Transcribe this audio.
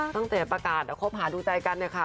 ตั้งแต่ประกาศครบหาดูใจกันนะคะ